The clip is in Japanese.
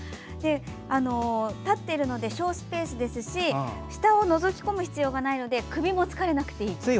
立っているので省スペースですし下をのぞき込む必要がないので首も疲れなくていい。